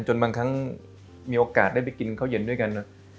จนบางครั้งมีโอกาสได้ไปกินข้าวเย็นด้วยกัน